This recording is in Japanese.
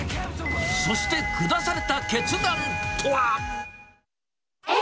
そして下された決断とは。